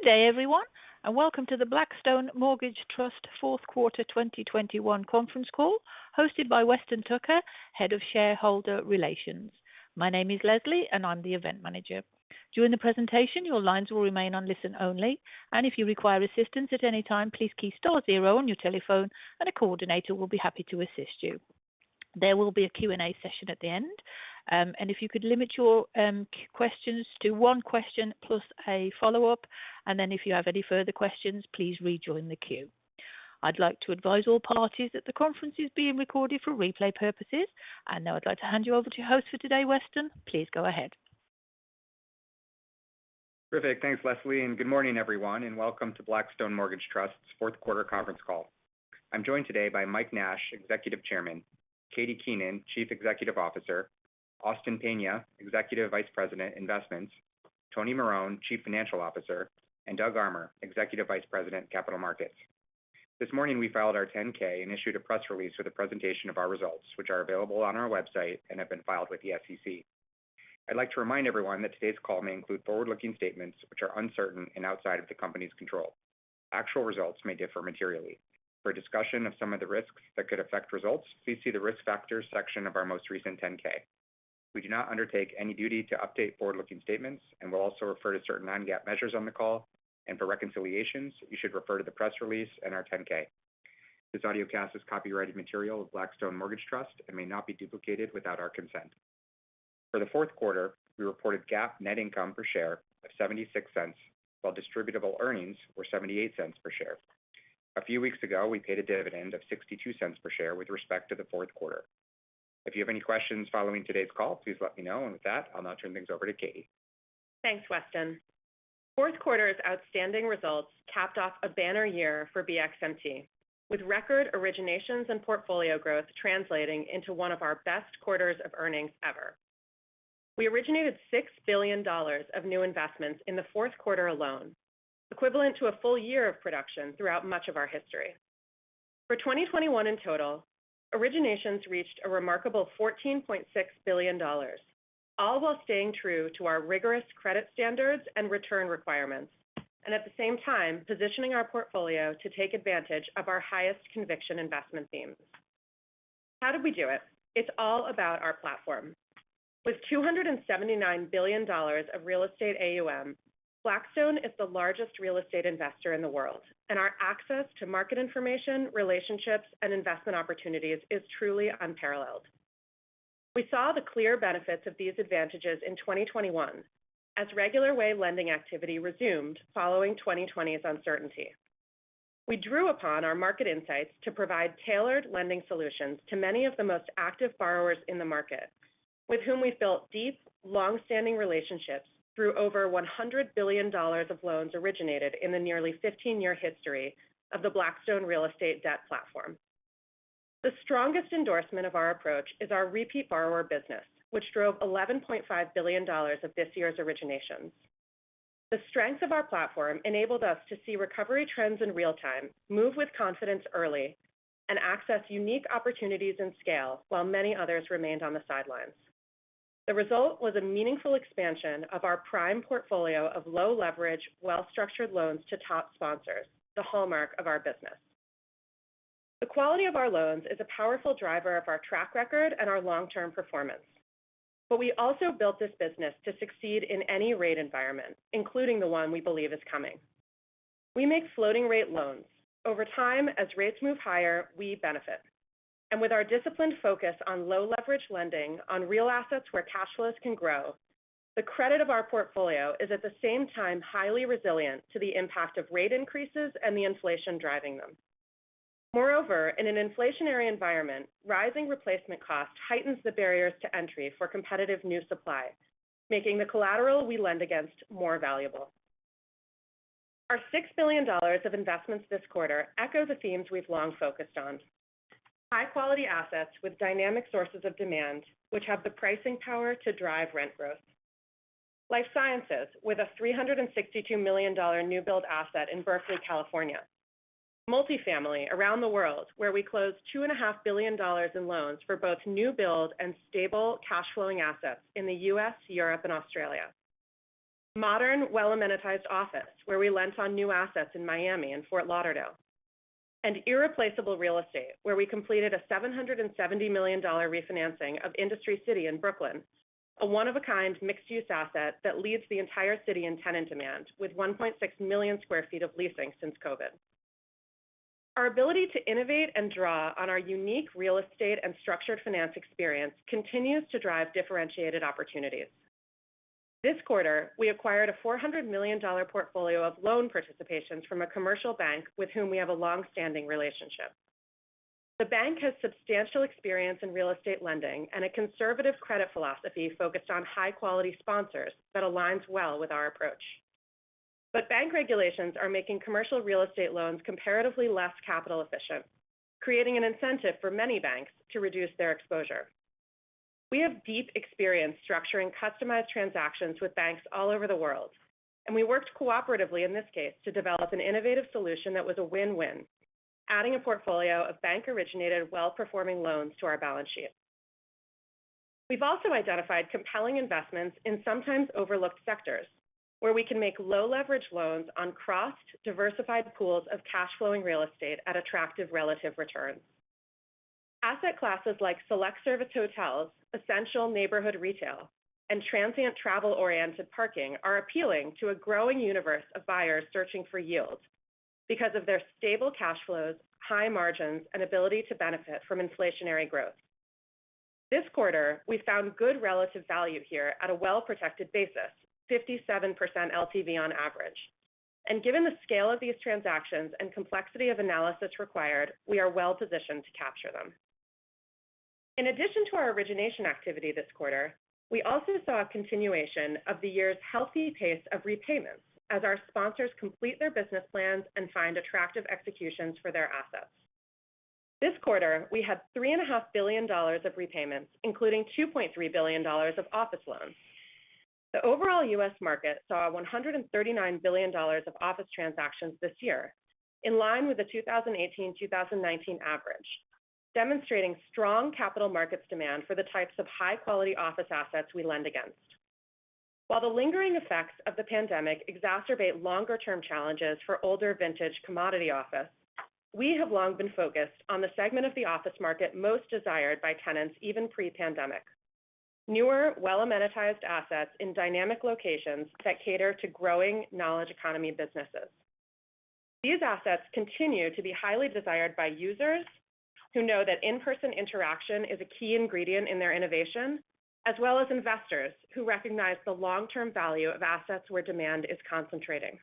Good day everyone, and welcome to the Blackstone Mortgage Trust fourth quarter 2021 conference call hosted by Weston Tucker, Head of Shareholder Relations. My name is Leslie and I'm the event manager. During the presentation, your lines will remain on listen only, and if you require assistance at any time, please key star zero on your telephone and a coordinator will be happy to assist you. There will be a Q&A session at the end. If you could limit your questions to one question plus a follow-up, and then if you have any further questions, please rejoin the queue. I'd like to advise all parties that the conference is being recorded for replay purposes. Now I'd like to hand you over to your host for today, Weston, please go ahead. Terrific. Thanks, Leslie, and good morning everyone, and welcome to Blackstone Mortgage Trust's fourth quarter conference call. I'm joined today by Mike Nash, Executive Chairman, Katie Keenan, Chief Executive Officer, Austin Peña, Executive Vice President, Investments, Tony Marone, Chief Financial Officer, and Doug Armer, Executive Vice President, Capital Markets. This morning we filed our 10-K and issued a press release for the presentation of our results, which are available on our website and have been filed with the SEC. I'd like to remind everyone that today's call may include forward-looking statements which are uncertain and outside of the company's control. Actual results may differ materially. For a discussion of some of the risks that could affect results, please see the Risk Factors section of our most recent 10-K. We do not undertake any duty to update forward-looking statements and will also refer to certain non-GAAP measures on the call. For reconciliations, you should refer to the press release and our 10-K. This audiocast is copyrighted material of Blackstone Mortgage Trust and may not be duplicated without our consent. For the fourth quarter, we reported GAAP net income per share of $0.76, while distributable earnings were $0.78 per share. A few weeks ago, we paid a dividend of $0.62 per share with respect to the fourth quarter. If you have any questions following today's call, please let me know, and with that, I'll now turn things over to Katie. Thanks, Weston. Fourth quarter's outstanding results capped off a banner year for BXMT, with record originations and portfolio growth translating into one of our best quarters of earnings ever. We originated $6 billion of new investments in the fourth quarter alone, equivalent to a full year of production throughout much of our history. For 2021 in total, originations reached a remarkable $14.6 billion, all while staying true to our rigorous credit standards and return requirements, and at the same time positioning our portfolio to take advantage of our highest conviction investment themes. How did we do it? It's all about our platform. With $279 billion of real estate AUM, Blackstone is the largest real estate investor in the world, and our access to market information, relationships, and investment opportunities is truly unparalleled. We saw the clear benefits of these advantages in 2021 as regular way lending activity resumed following 2020's uncertainty. We drew upon our market insights to provide tailored lending solutions to many of the most active borrowers in the market with whom we built deep, long-standing relationships through over $100 billion of loans originated in the nearly 15-year history of the Blackstone Real Estate Debt platform. The strongest endorsement of our approach is our repeat borrower business, which drove $11.5 billion of this year's originations. The strength of our platform enabled us to see recovery trends in real time, move with confidence early, and access unique opportunities and scale while many others remained on the sidelines. The result was a meaningful expansion of our prime portfolio of low-leverage, well-structured loans to top sponsors, the hallmark of our business. The quality of our loans is a powerful driver of our track record and our long-term performance. We also built this business to succeed in any rate environment, including the one we believe is coming. We make floating rate loans. Over time, as rates move higher, we benefit. With our disciplined focus on low-leverage lending on real assets where cash flows can grow, the credit of our portfolio is at the same time highly resilient to the impact of rate increases and the inflation driving them. Moreover, in an inflationary environment, rising replacement cost heightens the barriers to entry for competitive new supply, making the collateral we lend against more valuable. Our $6 billion of investments this quarter echo the themes we've long focused on. High-quality assets with dynamic sources of demand, which have the pricing power to drive rent growth. Life sciences with a $362 million new build asset in Berkeley, California. Multifamily around the world where we closed two and a half billion dollars in loans for both new build and stable cash flowing assets in the U.S., Europe and Australia. Modern well-amenitized office where we lent on new assets in Miami and Fort Lauderdale. Irreplaceable real estate where we completed a $770 million refinancing of Industry City in Brooklyn, a one-of-a-kind mixed-use asset that leads the entire city in tenant demand with 1.6 million sq ft of leasing since COVID. Our ability to innovate and draw on our unique real estate and structured finance experience continues to drive differentiated opportunities. This quarter, we acquired a $400 million portfolio of loan participations from a commercial bank with whom we have a long-standing relationship. The bank has substantial experience in real estate lending and a conservative credit philosophy focused on high-quality sponsors that aligns well with our approach. Bank regulations are making commercial real estate loans comparatively less capital efficient, creating an incentive for many banks to reduce their exposure. We have deep experience structuring customized transactions with banks all over the world, and we worked cooperatively in this case to develop an innovative solution that was a win-win, adding a portfolio of bank-originated well-performing loans to our balance sheet. We've also identified compelling investments in sometimes overlooked sectors where we can make low leverage loans on crossed diversified pools of cash flowing real estate at attractive relative returns. Asset classes like select service hotels, essential neighborhood retail, and transient travel-oriented parking are appealing to a growing universe of buyers searching for yield because of their stable cash flows, high margins, and ability to benefit from inflationary growth. This quarter, we found good relative value here at a well-protected basis, 57% LTV on average. Given the scale of these transactions and complexity of analysis required, we are well-positioned to capture them. In addition to our origination activity this quarter, we also saw a continuation of the year's healthy pace of repayments as our sponsors complete their business plans and find attractive executions for their assets. This quarter, we had $3.5 billion of repayments, including $2.3 billion of office loans. The overall U.S. market saw $139 billion of office transactions this year, in line with the 2018-2019 average, demonstrating strong capital markets demand for the types of high-quality office assets we lend against. While the lingering effects of the pandemic exacerbate longer-term challenges for older vintage commodity office, we have long been focused on the segment of the office market most desired by tenants even pre-pandemic, newer, well-amenitized assets in dynamic locations that cater to growing knowledge economy businesses. These assets continue to be highly desired by users who know that in-person interaction is a key ingredient in their innovation, as well as investors who recognize the long-term value of assets where demand is concentrating.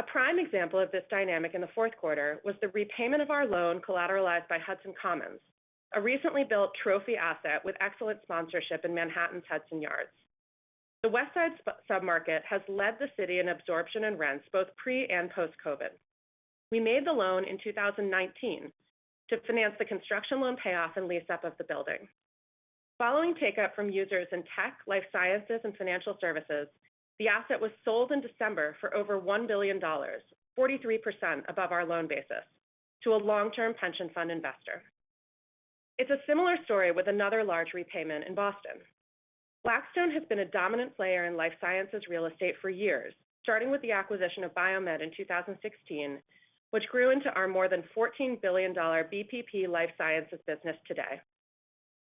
A prime example of this dynamic in the fourth quarter was the repayment of our loan collateralized by Hudson Commons, a recently built trophy asset with excellent sponsorship in Manhattan's Hudson Yards. The West Side sub-market has led the city in absorption and rents both pre- and post-COVID. We made the loan in 2019 to finance the construction loan payoff and lease up of the building. Following take up from users in tech, life sciences, and financial services, the asset was sold in December for over $1 billion, 43% above our loan basis to a long-term pension fund investor. It's a similar story with another large repayment in Boston. Blackstone has been a dominant player in life sciences real estate for years, starting with the acquisition of BioMed in 2016, which grew into our more than $14 billion BPP Life Sciences business today.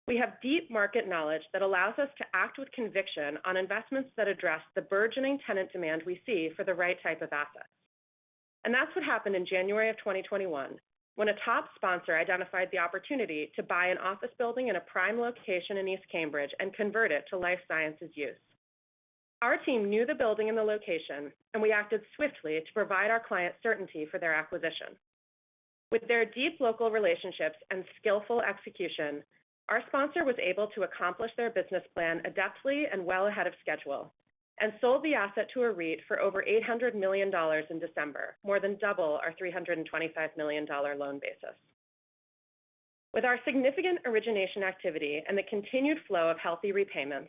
We have deep market knowledge that allows us to act with conviction on investments that address the burgeoning tenant demand we see for the right type of assets. That's what happened in January 2021 when a top sponsor identified the opportunity to buy an office building in a prime location in East Cambridge and convert it to life sciences use. Our team knew the building and the location, and we acted swiftly to provide our clients certainty for their acquisition. With their deep local relationships and skillful execution, our sponsor was able to accomplish their business plan adeptly and well ahead of schedule and sold the asset to a REIT for over $800 million in December, more than double our $325 million loan basis. With our significant origination activity and the continued flow of healthy repayments,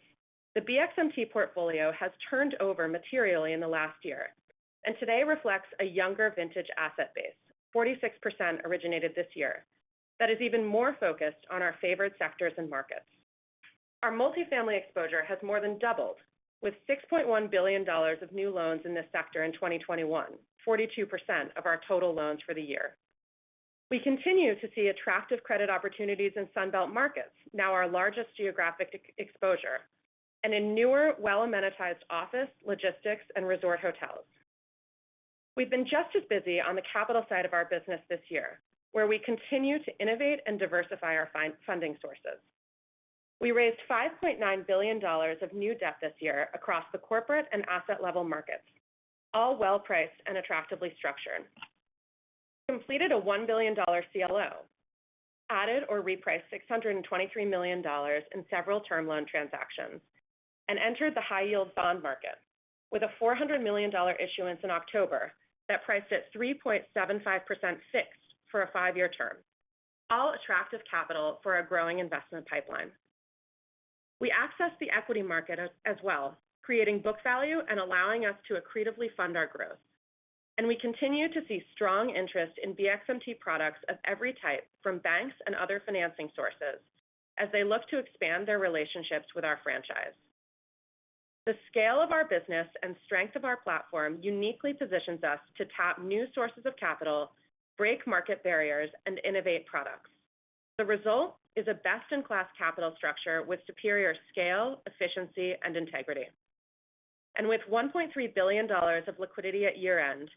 the BXMT portfolio has turned over materially in the last year and today reflects a younger vintage asset base, 46% originated this year, that is even more focused on our favorite sectors and markets. Our multifamily exposure has more than doubled with $6.1 billion of new loans in this sector in 2021, 42% of our total loans for the year. We continue to see attractive credit opportunities in Sunbelt markets, now our largest geographic exposure, and in newer, well-amenitized office, logistics, and resort hotels. We've been just as busy on the capital side of our business this year, where we continue to innovate and diversify our funding sources. We raised $5.9 billion of new debt this year across the corporate and asset-level markets, all well-priced and attractively structured. Completed a $1 billion CLO, added or repriced $623 million in several term loan transactions, and entered the high-yield bond market with a $400 million issuance in October that priced at 3.75% fixed for a five-year term, all attractive capital for our growing investment pipeline. We accessed the equity market as well, creating book value and allowing us to accretively fund our growth. We continue to see strong interest in BXMT products of every type from banks and other financing sources as they look to expand their relationships with our franchise. The scale of our business and strength of our platform uniquely positions us to tap new sources of capital, break market barriers, and innovate products. The result is a best-in-class capital structure with superior scale, efficiency, and integrity. With $1.3 billion of liquidity at year-end,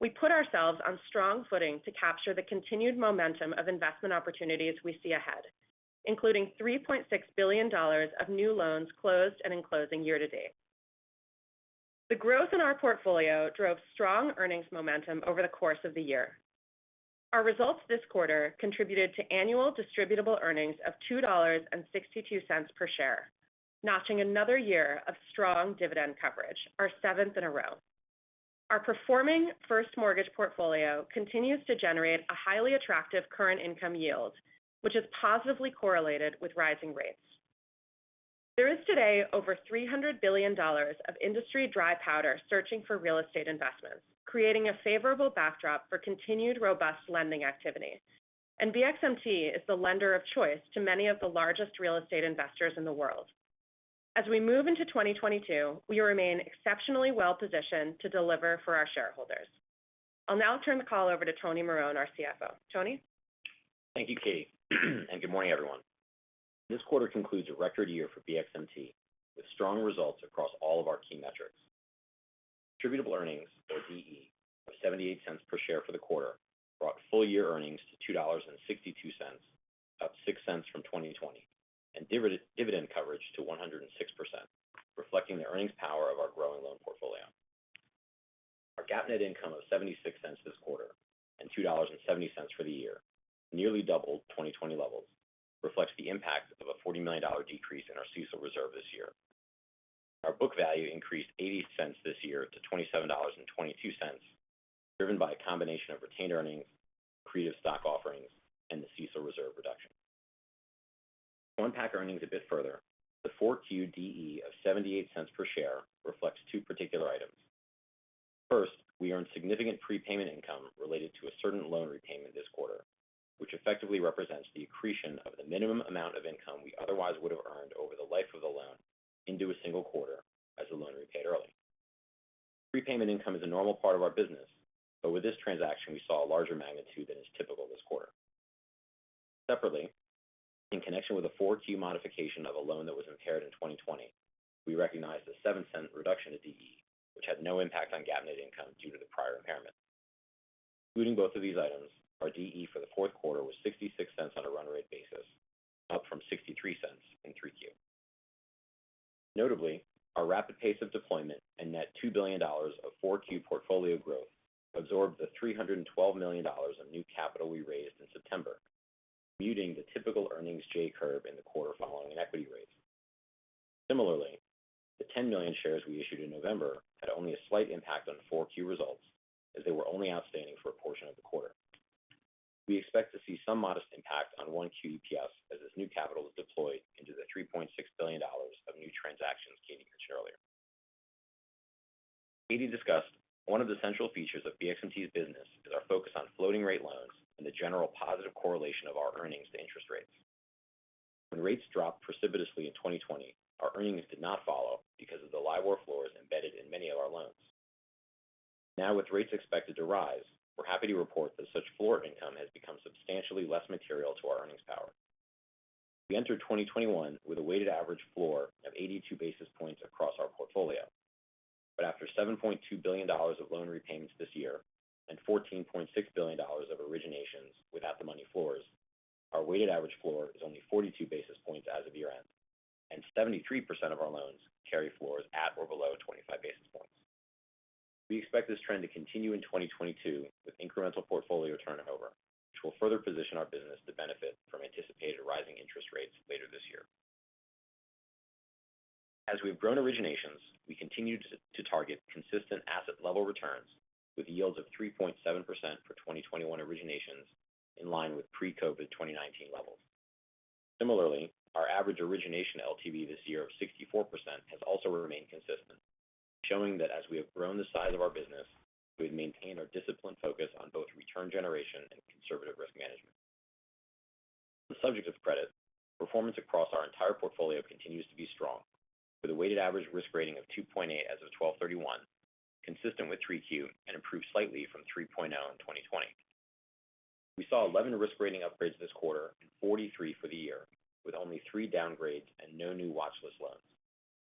we put ourselves on strong footing to capture the continued momentum of investment opportunities we see ahead, including $3.6 billion of new loans closed and in closing year to date. The growth in our portfolio drove strong earnings momentum over the course of the year. Our results this quarter contributed to annual distributable earnings of $2.62 per share, notching another year of strong dividend coverage, our seventh in a row. Our performing first mortgage portfolio continues to generate a highly attractive current income yield, which is positively correlated with rising rates. There is today over $300 billion of industry dry powder searching for real estate investments, creating a favorable backdrop for continued robust lending activity, and BXMT is the lender of choice to many of the largest real estate investors in the world. As we move into 2022, we remain exceptionally well-positioned to deliver for our shareholders. I'll now turn the call over to Tony Marone, our CFO. Tony? Thank you, Katie. Good morning, everyone. This quarter concludes a record year for BXMT, with strong results across all of our key metrics. Attributable earnings, or DE, of $0.78 per share for the quarter brought full year earnings to $2.62, up $0.06 from 2020, and dividend coverage to 106%, reflecting the earnings power of our growing loan portfolio. Our GAAP net income of $0.76 this quarter and $2.70 for the year, nearly double 2020 levels, reflects the impact of a $40 million decrease in our CECL reserve this year. Our book value increased $0.80 this year to $27.22, driven by a combination of retained earnings, accretive stock offerings, and the CECL reserve reduction. To unpack earnings a bit further, the 4Q DE of $0.78 per share reflects two particular items. First, we earned significant prepayment income related to a certain loan repayment this quarter, which effectively represents the accretion of the minimum amount of income we otherwise would have earned over the life of the loan into a single quarter as the loan repaid early. Prepayment income is a normal part of our business, but with this transaction, we saw a larger magnitude than is typical this quarter. Separately, in connection with a 4Q modification of a loan that was impaired in 2020, we recognized a $0.07 reduction to DE, which had no impact on GAAP net income due to the prior impairment. Including both of these items, our DE for the fourth quarter was $0.66 on a run rate basis, up from $0.63 in 3Q. Notably, our rapid pace of deployment and net $2 billion of 4Q portfolio growth absorbed the $312 million of new capital we raised in September, muting the typical earnings J curve in the quarter following an equity raise. Similarly, the 10 million shares we issued in November had only a slight impact on 4Q results as they were only outstanding for a portion of the quarter. We expect to see some modest impact on 1Q EPS as this new capital is deployed into the $3.6 billion of new transactions Katie mentioned earlier. Katie discussed one of the central features of BXMT's business is our focus on floating rate loans and the general positive correlation of our earnings to interest rates. When rates dropped precipitously in 2020, our earnings did not follow because of the LIBOR floors embedded in many of our loans. Now with rates expected to rise, we're happy to report that such floor income has become substantially less material to our earnings power. We entered 2021 with a weighted average floor of 82 basis points across our portfolio. After $7.2 billion of loan repayments this year and $14.6 billion of originations without any floors, our weighted average floor is only 42 basis points as of year-end, and 73% of our loans carry floors at or below 25 basis points. We expect this trend to continue in 2022 with incremental portfolio turnover, which will further position our business to benefit from anticipated rising interest rates later this year. As we've grown originations, we continue to target consistent asset level returns with yields of 3.7% for 2021 originations in line with pre-COVID 2019 levels. Similarly, our average origination LTV this year of 64% has also remained consistent, showing that as we have grown the size of our business, we've maintained our disciplined focus on both return generation and conservative risk management. On the subject of credit, performance across our entire portfolio continues to be strong with a weighted average risk rating of 2.8 as of 12/31, consistent with 3Q and improved slightly from 3.0 in 2020. We saw 11 risk rating upgrades this quarter and 43 for the year, with only three downgrades and no new watchlist loans.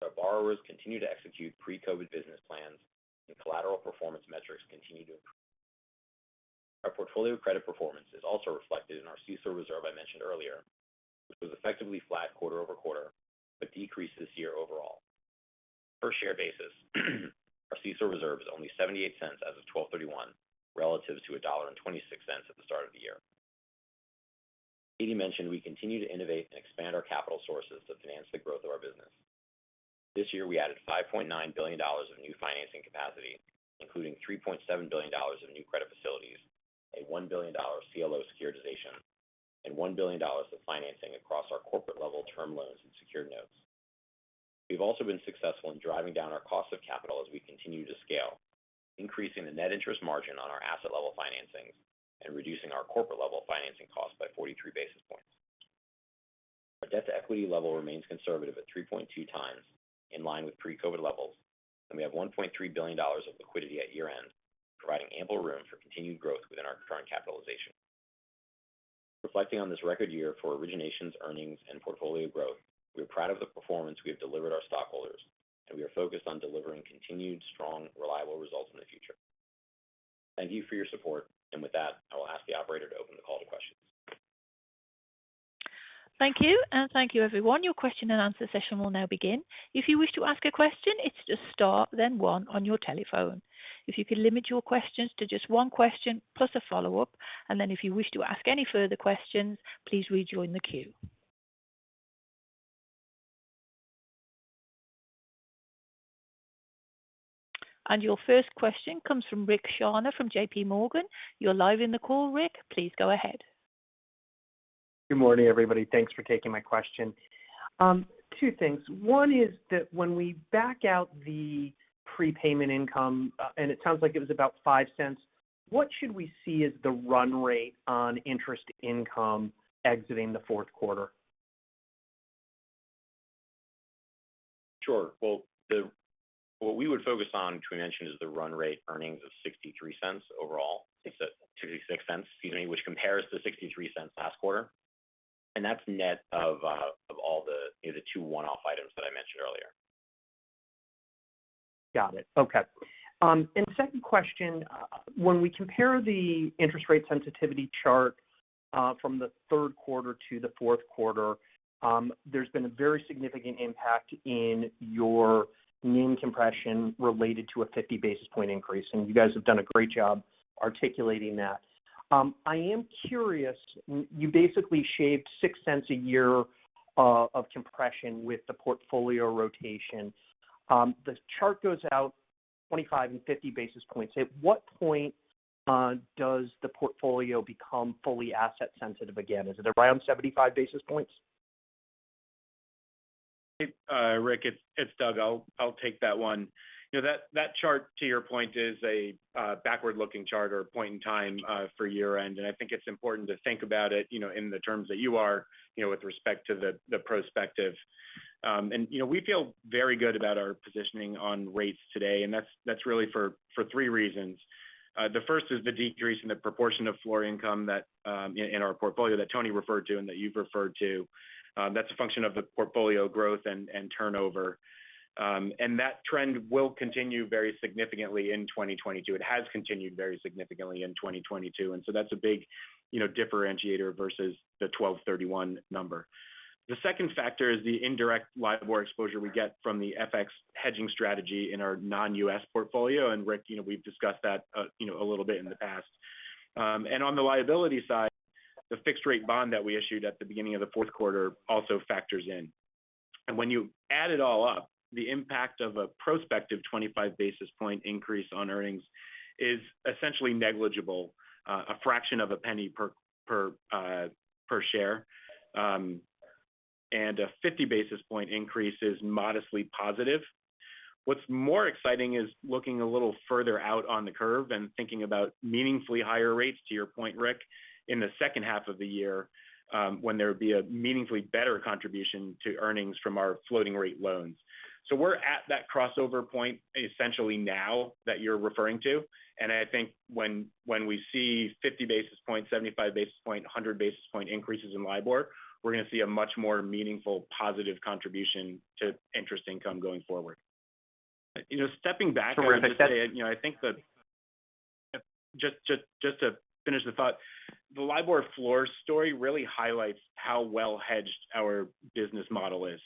Our borrowers continue to execute pre-COVID business plans, and collateral performance metrics continue to improve. Our portfolio credit performance is also reflected in our CECL reserve I mentioned earlier, which was effectively flat quarter-over-quarter but decreased this year overall. Per share basis, our CECL reserve is only $0.78 as of 12/31 relative to $1.26 at the start of the year. Katie mentioned we continue to innovate and expand our capital sources to finance the growth of our business. This year we added $5.9 billion of new financing capacity, including $3.7 billion of new credit facilities, a $1 billion CLO securitization, and $1 billion of financing across our corporate-level term loans and secured notes. We've also been successful in driving down our cost of capital as we continue to scale, increasing the net interest margin on our asset level financings and reducing our corporate level financing cost by 43 basis points. Our debt-to-equity level remains conservative at 3.2x, in line with pre-COVID levels, and we have $1.3 billion of liquidity at year-end, providing ample room for continued growth within our current capitalization. Reflecting on this record year for originations, earnings, and portfolio growth, we are proud of the performance we have delivered our stockholders, and we are focused on delivering continued, strong, reliable results in the future. Thank you for your support, and with that, I will ask the operator to open the call to questions. Thank you, and thank you everyone. Your question-and-answer session will now begin. If you wish to ask a question, it's just star then one on your telephone. If you could limit your questions to just one question plus a follow-up, and then if you wish to ask any further questions, please rejoin the queue. Your first question comes from Rick Shane from JPMorgan. You're live in the call, Rick. Please go ahead. Good morning, everybody. Thanks for taking my question. Two things. One is that when we back out the prepayment income, and it sounds like it was about $0.05, what should we see as the run rate on interest income exiting the fourth quarter? Sure. Well, what we would focus on, which we mentioned, is the run rate earnings of $0.63 overall. It's at $0.66, excuse me, which compares to $0.63 last quarter. That's net of all the, you know, the two one-off items that I mentioned earlier. Got it. Okay. Second question. When we compare the interest rate sensitivity chart from the third quarter to the fourth quarter, there's been a very significant impact in your mean compression related to a 50 basis point increase, and you guys have done a great job articulating that. I am curious, you basically shaved $0.06 a year of compression with the portfolio rotation. The chart goes out 25 and 50 basis points. At what point does the portfolio become fully asset sensitive again? Is it around 75 basis points? Rick, it's Doug. I'll take that one. That chart, to your point, is a backward-looking chart or a point in time for year-end. I think it's important to think about it, you know, in the terms that you are with respect to the prospective. We feel very good about our positioning on rates today, and that's really for three reasons. The first is the decrease in the proportion of floor income that in our portfolio that Tony referred to and that you've referred to. That's a function of the portfolio growth and turnover. That trend will continue very significantly in 2022. It has continued very significantly in 2022, and so that's a big differentiator versus the 12/31 number. The second factor is the indirect LIBOR exposure we get from the FX hedging strategy in our non-U.S. portfolio. Rick, you know, we've discussed that, you know, a little bit in the past. On the liability side, the fixed rate bond that we issued at the beginning of the fourth quarter also factors in. When you add it all up, the impact of a prospective 25 basis point increase on earnings is essentially negligible, a fraction of a penny per share. A 50 basis point increase is modestly positive. What's more exciting is looking a little further out on the curve and thinking about meaningfully higher rates, to your point, Rick, in the second half of the year, when there would be a meaningfully better contribution to earnings from our floating rate loans. We're at that crossover point essentially now that you're referring to, and I think when we see 50 basis points, 75 basis point, 100 basis point increases in LIBOR, we're gonna see a much more meaningful positive contribution to interest income going forward. You know, stepping back- From where it's at. You know, I think just to finish the thought, the LIBOR floor story really highlights how well hedged our business model is.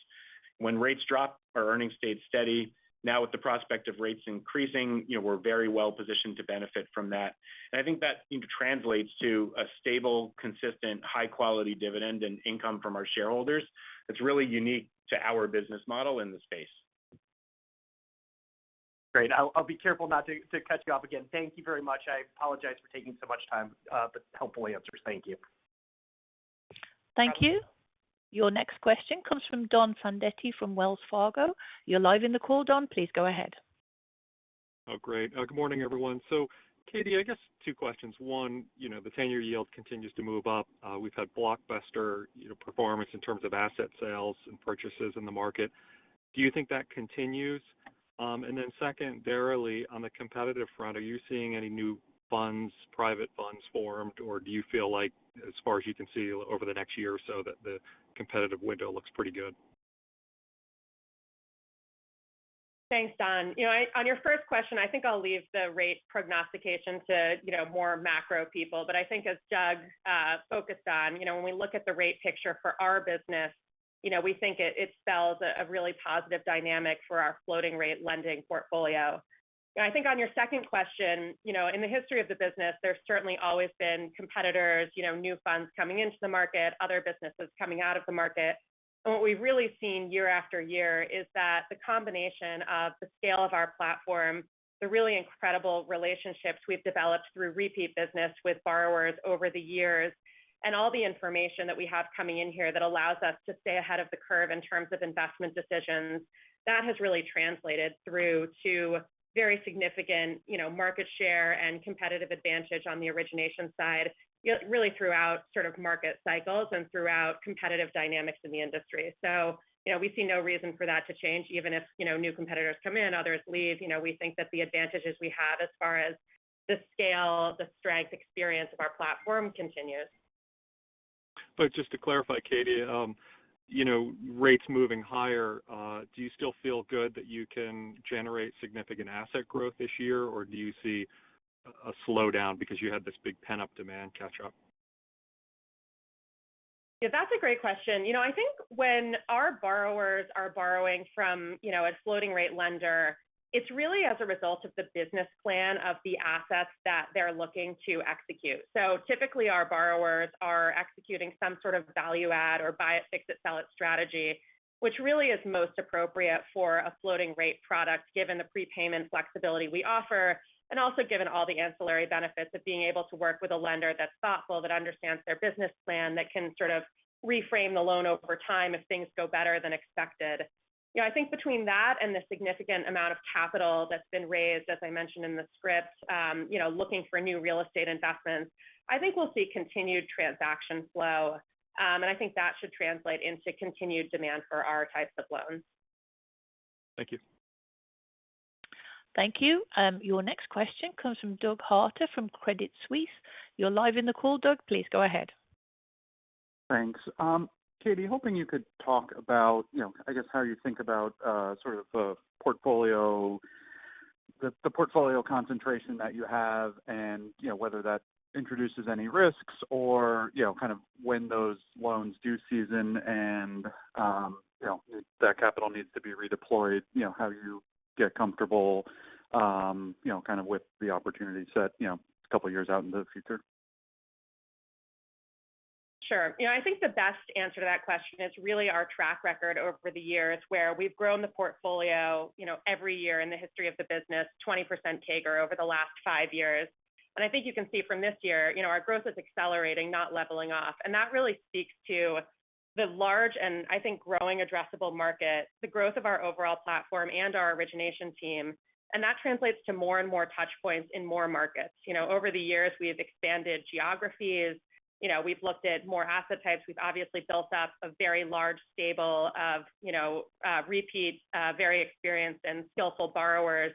When rates drop, our earnings stayed steady. Now, with the prospect of rates increasing, you know, we're very well positioned to benefit from that. I think that translates to a stable, consistent, high quality dividend and income from our shareholders that's really unique to our business model in the space. Great. I'll be careful not to cut you off again. Thank you very much. I apologize for taking so much time, but helpful answers. Thank you. Thank you. Your next question comes from Don Fandetti from Wells Fargo. You're live in the call, Don. Please go ahead. Oh, great. Good morning, everyone. Katie, I guess two questions. One, the 10-year yield continues to move up. We've had blockbuster, you know, performance in terms of asset sales and purchases in the market. Do you think that continues? And then secondarily, on the competitive front, are you seeing any new funds, private funds formed, or do you feel like, as far as you can see over the next year or so, that the competitive window looks pretty good? Thanks, Don. On your first question, I think I'll leave the rate prognostication to, you know, more macro people. I think as Doug focused on when we look at the rate picture for our business, we think it spells a really positive dynamic for our floating rate lending portfolio. I think on your second question in the history of the business, there's certainly always been competitors, new funds coming into the market, other businesses coming out of the market. What we've really seen year after year is that the combination of the scale of our platform, the really incredible relationships we've developed through repeat business with borrowers over the years, and all the information that we have coming in here that allows us to stay ahead of the curve in terms of investment decisions, that has really translated through to very significant market share and competitive advantage on the origination side, really throughout sort of market cycles and throughout competitive dynamics in the industry. We see no reason for that to change even if new competitors come in, others leave. You know, we think that the advantages we have as far as the scale, the strength, experience of our platform continues. Just to clarify, Katie, rates moving higher, do you still feel good that you can generate significant asset growth this year, or do you see a slowdown because you had this big pent-up demand catch up? Yeah, that's a great question. I think when our borrowers are borrowing from a floating rate lender, it's really as a result of the business plan of the assets that they're looking to execute. Typically, our borrowers are executing some sort of value add or buy it, fix it, sell it strategy, which really is most appropriate for a floating rate product given the prepayment flexibility we offer, and also given all the ancillary benefits of being able to work with a lender that's thoughtful, that understands their business plan, that can sort of reframe the loan over time if things go better than expected. I think between that and the significant amount of capital that's been raised, as I mentioned in the script looking for new real estate investments, I think we'll see continued transaction flow. I think that should translate into continued demand for our types of loans. Thank you. Thank you. Your next question comes from Doug Harter from Credit Suisse. You're live in the call, Doug. Please go ahead. Thanks. Katie, hoping you could talk about, you know, I guess how you think about, sort of a portfolio, the portfolio concentration that you have and whether that introduces any risks or kind of when those loans do season and that capital needs to be redeployed how you get comfortable kind of with the opportunity set a couple years out into the future. Sure. I think the best answer to that question is really our track record over the years, where we've grown the portfolio, you know, every year in the history of the business, 20% CAGR over the last five years. I think you can see from this year, you know, our growth is accelerating, not leveling off. That really speaks to the large and, I think, growing addressable market, the growth of our overall platform and our origination team, and that translates to more and more touch points in more markets. Over the years we have expanded geographies. We've looked at more asset types. We've obviously built up a very large stable of, you know, repeat, very experienced and skillful borrowers.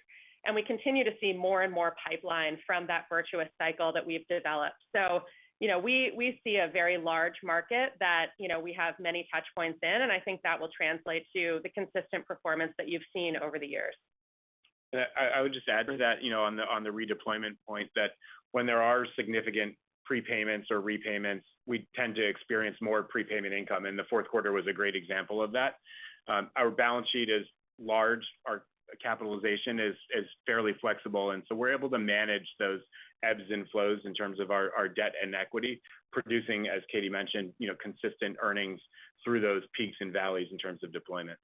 We continue to see more and more pipeline from that virtuous cycle that we've developed. We see a very large market that we have many touch points in, and I think that will translate to the consistent performance that you've seen over the years. I would just add to that, you know, on the redeployment point that when there are significant prepayments or repayments, we tend to experience more prepayment income, and the fourth quarter was a great example of that. Our balance sheet is large. Our capitalization is fairly flexible, and so we're able to manage those ebbs and flows in terms of our debt and equity, producing, as Katie mentioned consistent earnings through those peaks and valleys in terms of deployment.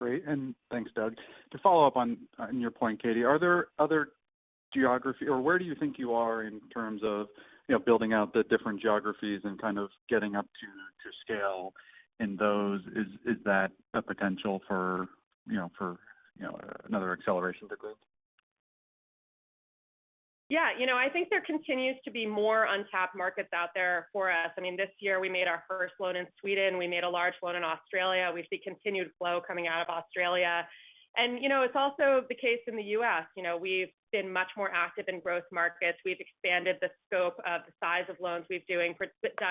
Great. Thanks, Doug. To follow up on your point, Katie, are there other geographies or where do you think you are in terms of building out the different geographies and kind of getting up to scale in those? Is that a potential for another acceleration of the growth? Yeah. You know, I think there continues to be more untapped markets out there for us. I mean, this year we made our first loan in Sweden. We made a large loan in Australia. We see continued flow coming out of Australia. It's also the case in the U.S. You know, we've been much more active in growth markets. We've expanded the scope of the size of loans we're doing,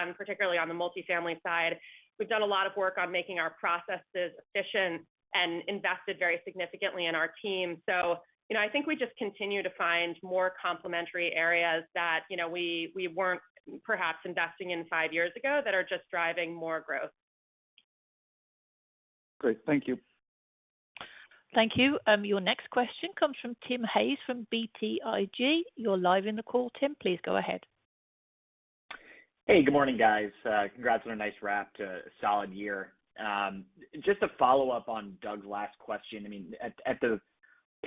particularly on the multifamily side. We've done a lot of work on making our processes efficient and invested very significantly in our team. I think we just continue to find more complementary areas that, you know, we weren't perhaps investing in five years ago that are just driving more growth. Great. Thank you. Thank you. Your next question comes from Tim Hayes from BTIG. You're live in the call, Tim. Please go ahead. Hey, good morning, guys. Congrats on a nice wrap to a solid year. Just to follow up on Doug's last question. I mean, at the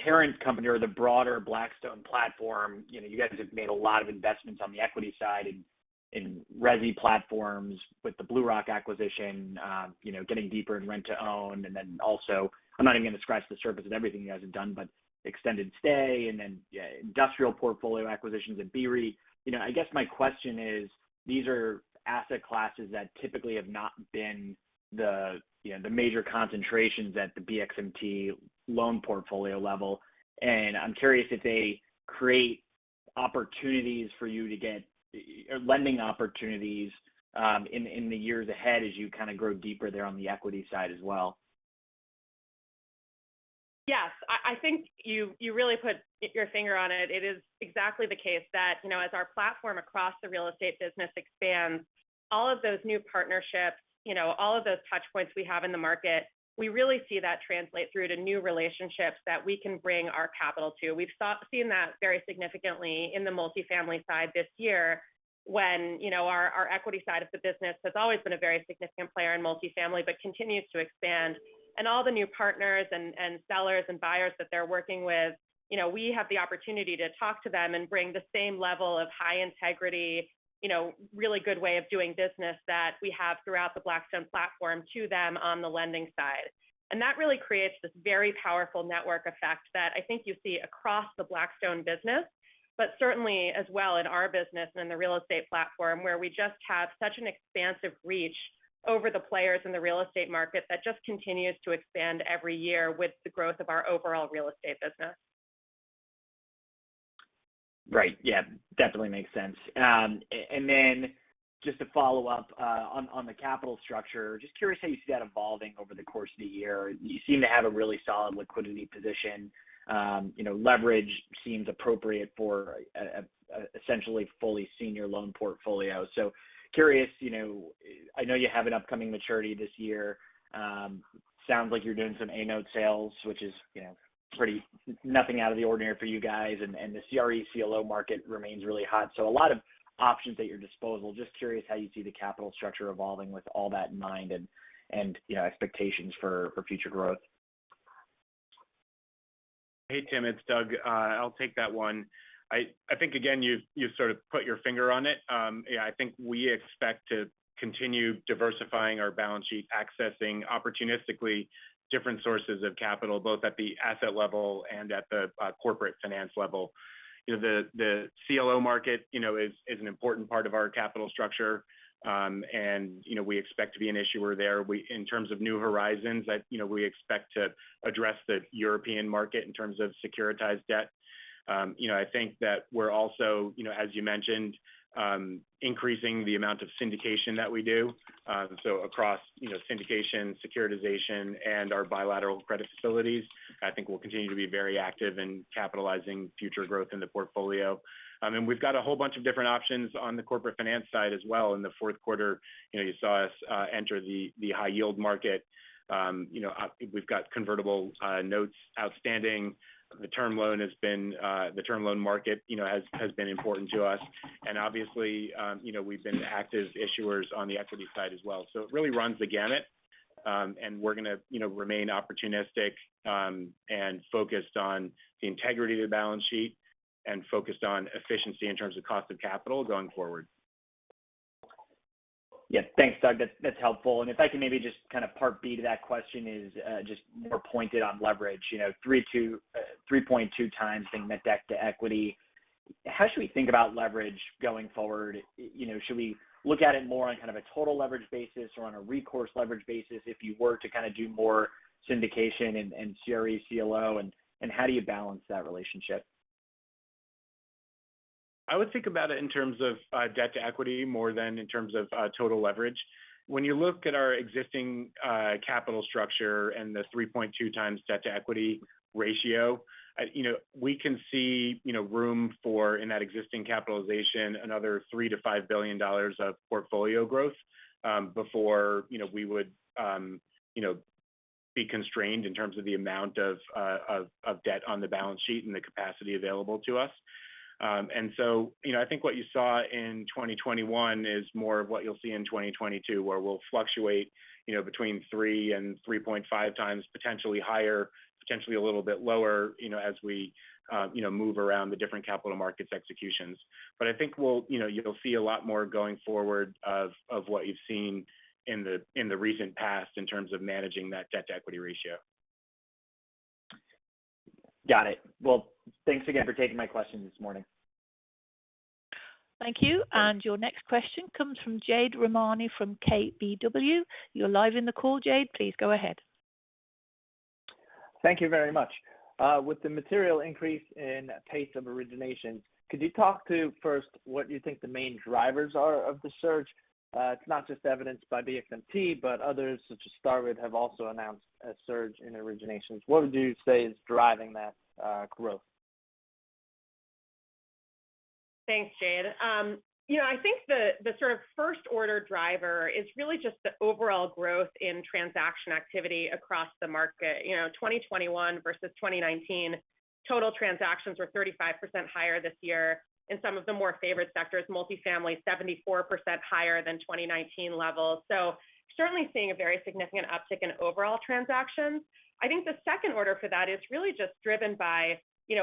parent company or the broader Blackstone platform, you guys have made a lot of investments on the equity side in resi platforms with the Bluerock acquisition, you know, getting deeper in rent to own. And then also, I'm not even gonna scratch the surface of everything you guys have done, but extended stay and then industrial portfolio acquisitions at BREIT. I guess my question is, these are asset classes that typically have not been the major concentrations at the BXMT loan portfolio level. I'm curious if they create opportunities for you to get lending opportunities in the years ahead as you kinda grow deeper there on the equity side as well. Yes. I think you really put your finger on it. It is exactly the case that, as our platform across the real estate business expands, all of those new partnerships all of those touch points we have in the market, we really see that translate through to new relationships that we can bring our capital to. We've seen that very significantly in the multifamily side this year when our equity side of the business has always been a very significant player in multifamily, but continues to expand. All the new partners and sellers and buyers that they're working with, we have the opportunity to talk to them and bring the same level of high integrity really good way of doing business that we have throughout the Blackstone platform to them on the lending side. that really creates this very powerful network effect that I think you see across the Blackstone business, but certainly as well in our business and in the real estate platform, where we just have such an expansive reach over the players in the real estate market that just continues to expand every year with the growth of our overall real estate business. Right. Definitely makes sense. Just to follow up on the capital structure, just curious how you see that evolving over the course of the year. You seem to have a really solid liquidity position. Leverage seems appropriate for essentially fully senior loan portfolio. Curious, I know you have an upcoming maturity this year. Sounds like you're doing some A note sales, which is, pretty much nothing out of the ordinary for you guys. The CRE CLO market remains really hot. A lot of options at your disposal. Just curious how you see the capital structure evolving with all that in mind and expectations for future growth. Hey, Tim, it's Doug. I'll take that one. I think again you sort of put your finger on it. Yeah, I think we expect to continue diversifying our balance sheet, accessing opportunistically different sources of capital, both at the asset level and at the corporate finance level. The CLO market, you know, is an important part of our capital structure. We expect to be an issuer there. In terms of new horizons, you know, we expect to address the European market in terms of securitized debt. I think that we're also as you mentioned, increasing the amount of syndication that we do. Across syndication, securitization, and our bilateral credit facilities, I think we'll continue to be very active in capitalizing future growth in the portfolio. I mean, we've got a whole bunch of different options on the corporate finance side as well. In the fourth quarter, you saw us enter the high yield market. We've got convertible notes outstanding. The term loan market has been important to us. Obviously, we've been active issuers on the equity side as well. It really runs the gamut. We're gonna remain opportunistic and focused on the integrity of the balance sheet and focused on efficiency in terms of cost of capital going forward. Yeah. Thanks, Doug. That's helpful. If I could maybe just kind of part B to that question is, just more pointed on leverage, you know, 3x-3.2x in net debt to equity. How should we think about leverage going forward? Should we look at it more on kind of a total leverage basis or on a recourse leverage basis if you were to kinda do more syndication and CRE CLO, and how do you balance that relationship? I would think about it in terms of debt to equity more than in terms of total leverage. When you look at our existing capital structure and the 3.2x debt to equity ratio, you know, we can see room for in that existing capitalization another $3 billion-$5 billion of portfolio growth, before we would be constrained in terms of the amount of of debt on the balance sheet and the capacity available to us. I think what you saw in 2021 is more of what you'll see in 2022, where we'll fluctuate, you know, between 3x and 3.5x, potentially higher, potentially a little bit lower as we move around the different capital markets executions. I think you'll see a lot more going forward of what you've seen in the recent past in terms of managing that debt to equity ratio. Got it. Well, thanks again for taking my questions this morning. Thank you. Your next question comes from Jade Rahmani from KBW. You're live in the call, Jade. Please go ahead. Thank you very much. With the material increase in pace of origination, could you talk about first what you think the main drivers are of the surge? It's not just evidenced by BXMT, but others, such as Starwood, have also announced a surge in originations. What would you say is driving that, growth? Thanks, Jade. I think the sort of first-order driver is really just the overall growth in transaction activity across the market. 2021 versus 2019, total transactions were 35% higher this year. In some of the more favored sectors, multifamily, 74% higher than 2019 levels. Certainly seeing a very significant uptick in overall transactions. I think the second order for that is really just driven by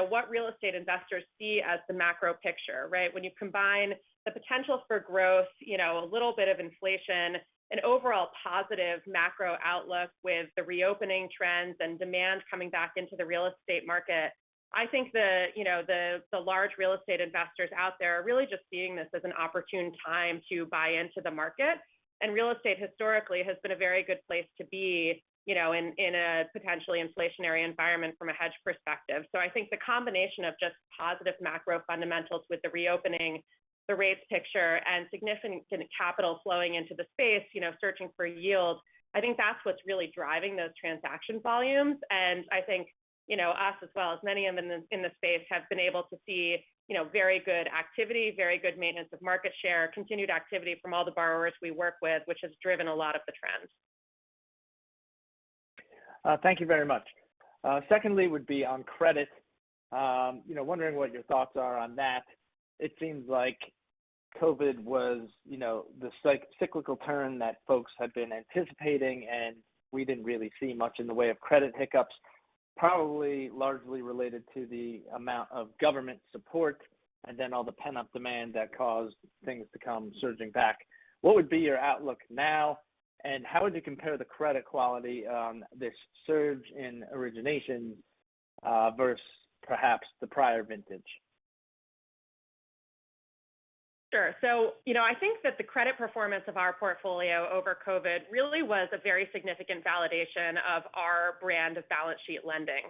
what real estate investors see as the macro picture, right? When you combine the potential for growth, a little bit of inflation and overall positive macro outlook with the reopening trends and demand coming back into the real estate market. I think the large real estate investors out there are really just seeing this as an opportune time to buy into the market. Real estate historically has been a very good place to be in a potentially inflationary environment from a hedge perspective. I think the combination of just positive macro fundamentals with the reopening, the rates picture, and significant capital flowing into the space, searching for yield, I think that's what's really driving those transaction volumes. I think, you know us as well as many of them in the space have been able to see, you know, very good activity, very good maintenance of market share, continued activity from all the borrowers we work with, which has driven a lot of the trends. Thank you very much. Secondly, would be on credit. Wondering what your thoughts are on that. It seems like COVID was the cyclical turn that folks had been anticipating, and we didn't really see much in the way of credit hiccups, probably largely related to the amount of government support and then all the pent-up demand that caused things to come surging back. What would be your outlook now, and how would you compare the credit quality on this surge in origination versus perhaps the prior vintage? Sure. I think that the credit performance of our portfolio over COVID really was a very significant validation of our brand of balance sheet lending.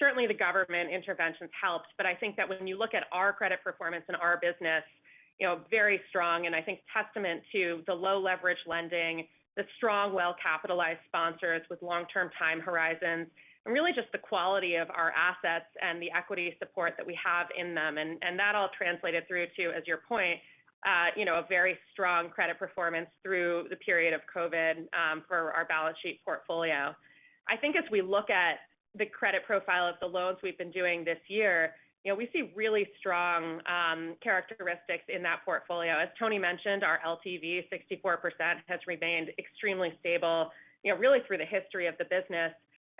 Certainly the government interventions helped, but I think that when you look at our credit performance and our business very strong and I think testament to the low leverage lending, the strong well-capitalized sponsors with long-term time horizons, and really just the quality of our assets and the equity support that we have in them. That all translated through to, as your point a very strong credit performance through the period of COVID, for our balance sheet portfolio. I think as we look at the credit profile of the loans we've been doing this year we see really strong characteristics in that portfolio. As Tony mentioned, our LTV 64% has remained extremely stable, really through the history of the business.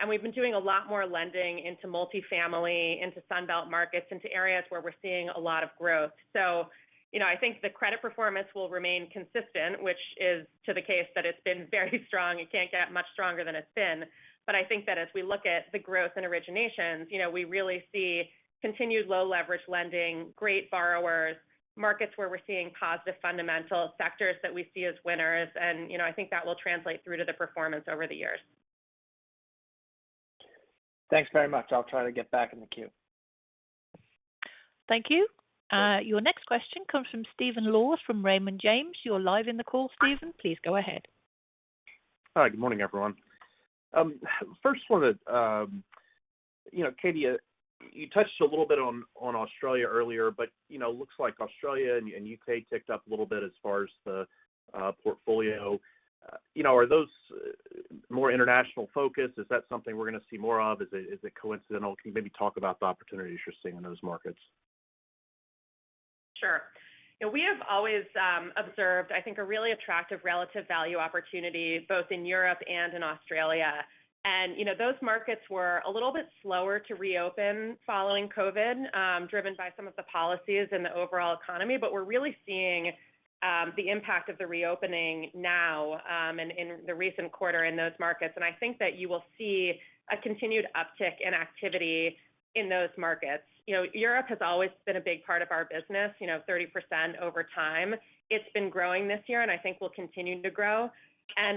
We've been doing a lot more lending into multifamily, into Sun Belt markets, into areas where we're seeing a lot of growth. I think the credit performance will remain consistent, which is the case that it's been very strong and can't get much stronger than it's been. I think that as we look at the growth in originations we really see continued low leverage lending, great borrowers, markets where we're seeing positive fundamental sectors that we see as winners. I think that will translate through to the performance over the years. Thanks very much. I'll try to get back in the queue. Thank you. Your next question comes from Stephen Laws from Raymond James. You're live in the call, Stephen. Please go ahead. Hi. Good morning, everyone. I first wanted you know, Katie, you touched a little bit on Australia earlier, but looks like Australia and U.K. ticked up a little bit as far as the portfolio. Are those more international focus? Is that something we're going to see more of? Is it coincidental? Can you maybe talk about the opportunities you're seeing in those markets? Sure. You know, we have always observed, I think, a really attractive relative value opportunity, both in Europe and in Australia. Those markets were a little bit slower to reopen following COVID, driven by some of the policies and the overall economy. We're really seeing the impact of the reopening now, and in the recent quarter in those markets. I think that you will see a continued uptick in activity in those markets. Europe has always been a big part of our business 30% over time. It's been growing this year, and I think will continue to grow.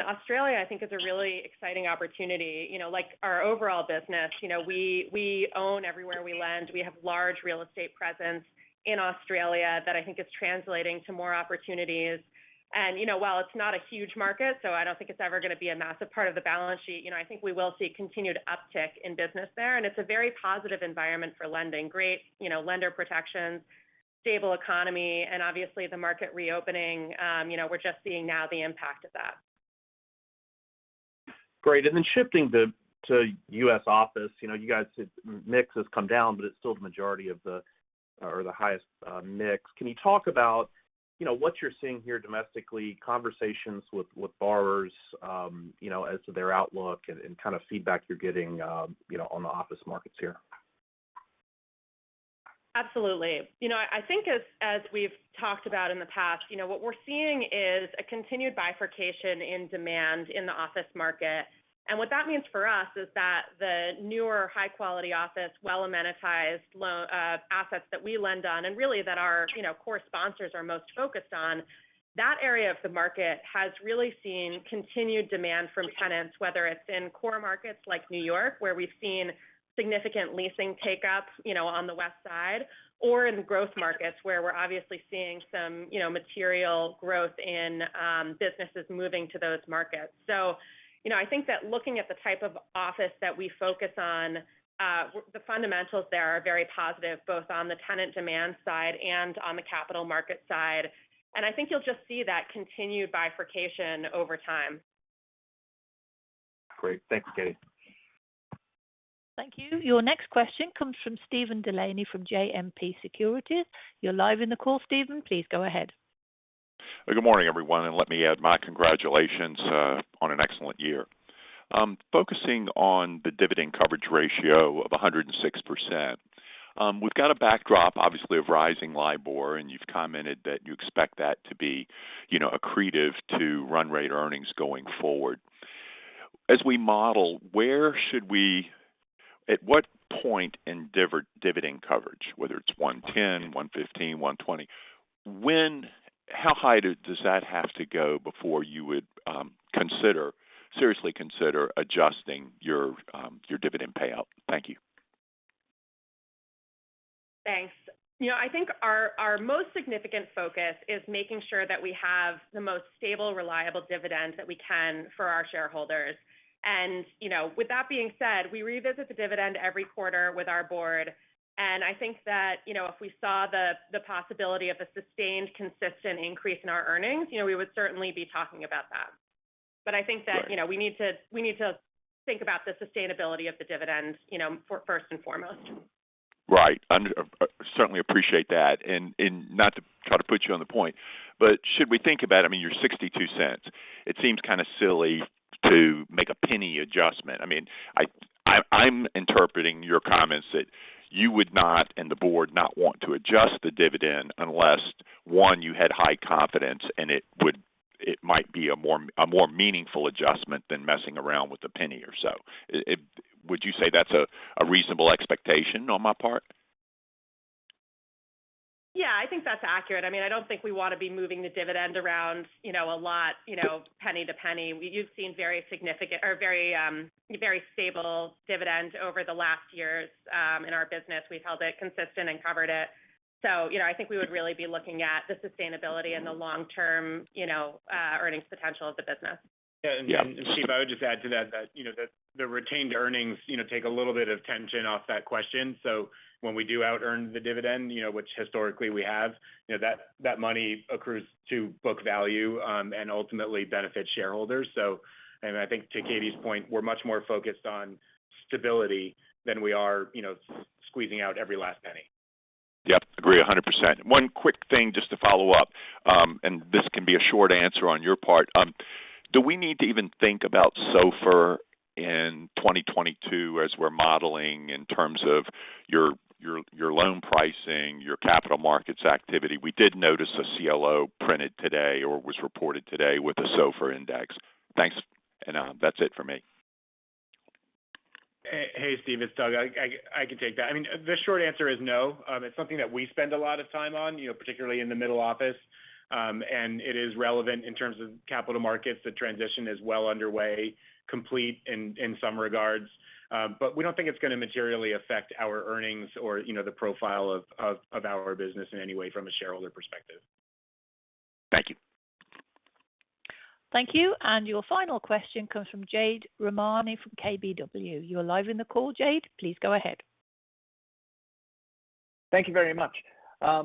Australia, I think is a really exciting opportunity. You know, like our overall business we own everywhere we lend. We have large real estate presence in Australia that I think is translating to more opportunities. While it's not a huge market, so I don't think it's ever going to be a massive part of the balance sheet I think we will see continued uptick in business there. It's a very positive environment for lending. Great, you know, lender protections, stable economy, and obviously the market reopening. We're just seeing now the impact of that. Great. Shifting to U.S. office. You guys said mix has come down, but it's still the majority or the highest mix. Can you talk about, you know, what you're seeing here domestically, conversations with borrowers as to their outlook and kind of feedback you're getting on the office markets here? Absolutely. I think as we've talked about in the past what we're seeing is a continued bifurcation in demand in the office market. What that means for us is that the newer high quality office, well-amenitized assets that we lend on and really that our core sponsors are most focused on, that area of the market has really seen continued demand from tenants, whether it's in core markets like New York, where we've seen significant leasing take up, you know, on the West Side, or in growth markets, where we're obviously seeing some, you know, material growth in businesses moving to those markets. I think that looking at the type of office that we focus on, the fundamentals there are very positive, both on the tenant demand side and on the capital market side. I think you'll just see that continued bifurcation over time. Great. Thank you, Katie. Thank you. Your next question comes from Steve DeLaney from JMP Securities. You're live in the call, Steve. Please go ahead. Good morning, everyone, and let me add my congratulations on an excellent year. Focusing on the dividend coverage ratio of 106%, we've got a backdrop, obviously, of rising LIBOR, and you've commented that you expect that to be, you know, accretive to run rate earnings going forward. As we model, at what point in dividend coverage, whether it's 110, 115, 120, how high does that have to go before you would consider seriously consider adjusting your dividend payout? Thank you. Thanks. I think our most significant focus is making sure that we have the most stable, reliable dividend that we can for our shareholders. With that being said, we revisit the dividend every quarter with our board, and I think that if we saw the possibility of a sustained, consistent increase in our earnings we would certainly be talking about that. I think that. Right We need to think about the sustainability of the dividend, you know, first and foremost. Right. Certainly appreciate that. Not to try to put you on the point, but should we think about, I mean, your $0.62, it seems kind of silly to make a $0.01 adjustment. I mean, I'm interpreting your comments that you would not, and the board not want to adjust the dividend unless, one, you had high confidence and it might be a more meaningful adjustment than messing around with a $0.01 or so. Would you say that's a reasonable expectation on my part? Yeah, I think that's accurate. I mean, I don't think we want to be moving the dividend around a lot, penny to penny. You've seen very significant or very stable dividends over the last years in our business. We've held it consistent and covered it. I think we would really be looking at the sustainability and the long-term earnings potential of the business. Yeah. Yeah. Steve, I would just add to that the retained earnings take a little bit of tension off that question. When we do outearn the dividend, you know, which historically we have that money accrues to book value, and ultimately benefits shareholders. I mean, I think to Katie's point, we're much more focused on stability than we are squeezing out every last penny. Yep, agree 100%. One quick thing just to follow up, and this can be a short answer on your part. Do we need to even think about SOFR in 2022 as we're modeling in terms of your loan pricing, your capital markets activity? We did notice a CLO printed today, or was reported today with a SOFR index. Thanks. That's it for me. Hey, Steve, it's Doug. I can take that. I mean, the short answer is no. It's something that we spend a lot of time on particularly in the middle office. It is relevant in terms of capital markets. The transition is well underway, complete in some regards. We don't think it's gonna materially affect our earnings or the profile of our business in any way from a shareholder perspective. Thank you. Thank you. Your final question comes from Jade Rahmani from KBW. You're live in the call, Jade. Please go ahead. Thank you very much. A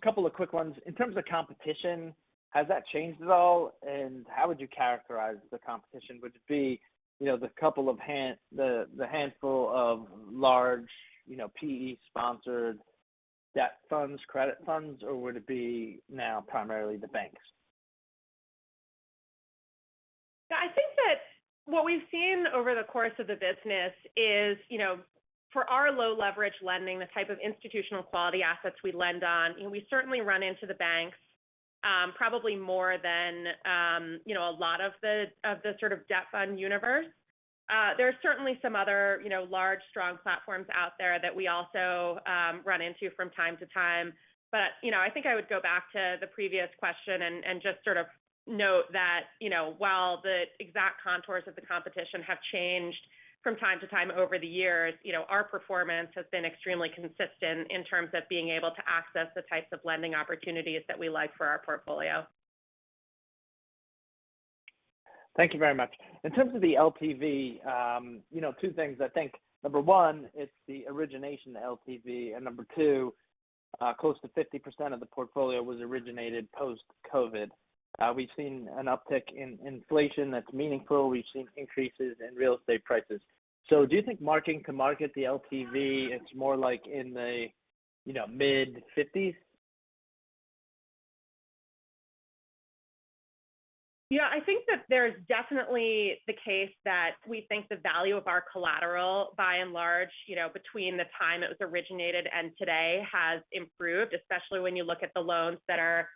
couple of quick ones. In terms of competition, has that changed at all? How would you characterize the competition? Would it be, you know, the handful of large PE-sponsored debt funds, credit funds, or would it be now primarily the banks? I think that what we've seen over the course of the business is for our low leverage lending, the type of institutional quality assets we lend on, you know, we certainly run into the banks, probably more than a lot of the sort of debt fund universe. There are certainly some other large, strong platforms out there that we also run into from time to time. I think I would go back to the previous question and just sort of note that while the exact contours of the competition have changed from time to time over the years our performance has been extremely consistent in terms of being able to access the types of lending opportunities that we like for our portfolio. Thank you very much. In terms of the LTV, you know, two things, I think. Number one, it's the origination LTV. Number two, close to 50% of the portfolio was originated post-COVID. We've seen an uptick in inflation that's meaningful. We've seen increases in real estate prices. Do you think marking to market the LTV, it's more like in the mid-50s%? Yeah, I think that there's definitely the case that we think the value of our collateral, by and large between the time it was originated and today has improved, especially when you look at the loans that are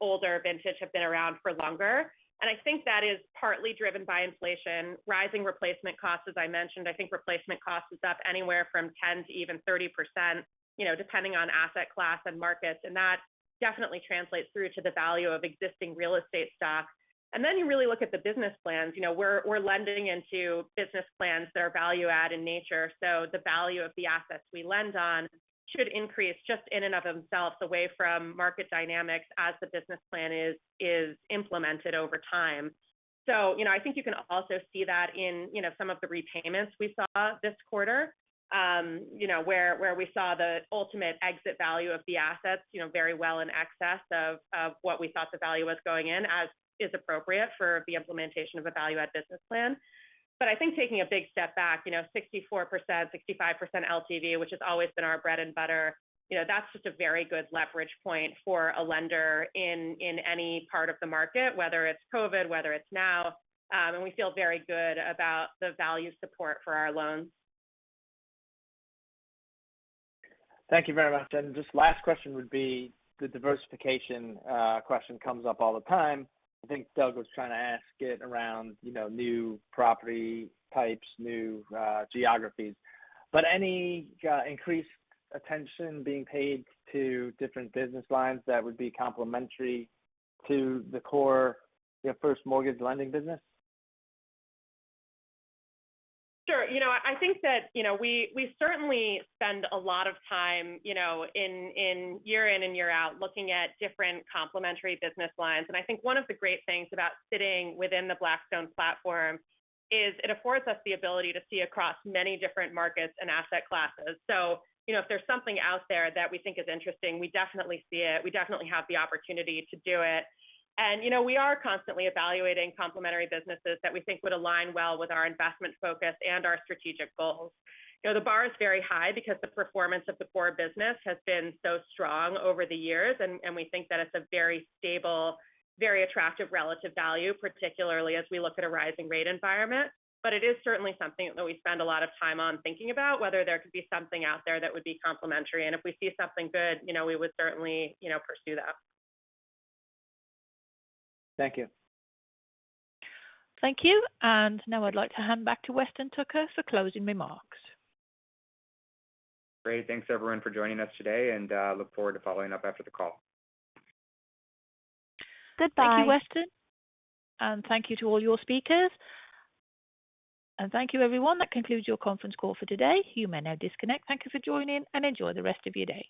older vintage, have been around for longer. I think that is partly driven by inflation, rising replacement costs, as I mentioned. I think replacement cost is up anywhere from 10%-30% depending on asset class and markets, and that definitely translates through to the value of existing real estate stock. Then you really look at the business plans. We're lending into business plans that are value add in nature. So the value of the assets we lend on should increase just in and of themselves away from market dynamics as the business plan is implemented over time. You know, I think you can also see that in some of the repayments we saw this quarter where we saw the ultimate exit value of the assets, you know, very well in excess of what we thought the value was going in as is appropriate for the implementation of a value add business plan. I think taking a big step back 64%, 65% LTV, which has always been our bread and butter. That's just a very good leverage point for a lender in any part of the market, whether it's COVID, whether it's now. We feel very good about the value support for our loans. Thank you very much. Just last question would be the diversification question comes up all the time. I think Doug was trying to ask it around new property types, new geographies. Any increased attention being paid to different business lines that would be complementary to the core first mortgage lending business? Sure. I think that we certainly spend a lot of time in year in and year out, looking at different complementary business lines. I think one of the great things about sitting within the Blackstone platform is it affords us the ability to see across many different markets and asset classes. If there's something out there that we think is interesting, we definitely see it. We definitely have the opportunity to do it. We are constantly evaluating complementary businesses that we think would align well with our investment focus and our strategic goals. You know, the bar is very high because the performance of the core business has been so strong over the years, and we think that it's a very stable, very attractive relative value, particularly as we look at a rising rate environment. It is certainly something that we spend a lot of time on thinking about whether there could be something out there that would be complementary. If we see something good we would certainly pursue that. Thank you. Thank you. Now I'd like to hand back to Weston Tucker for closing remarks. Great. Thanks everyone for joining us today, and I look forward to following up after the call. Goodbye. Thank you, Weston, and thank you to all your speakers. Thank you, everyone. That concludes your conference call for today. You may now disconnect. Thank you for joining, and enjoy the rest of your day.